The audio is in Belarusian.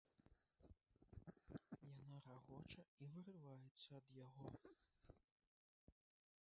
Яна рагоча і вырываецца ад яго.